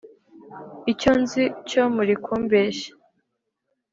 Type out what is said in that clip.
Icyo nzi cyo muri kumbeshya